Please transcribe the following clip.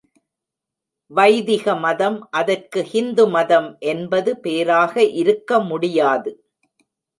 வைதிக மதம் அதற்கு ஹிந்து மதம் என்பது பேராக இருக்க முடியாது.